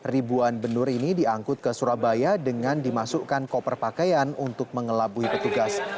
ribuan benur ini diangkut ke surabaya dengan dimasukkan koper pakaian untuk mengelabuhi petugas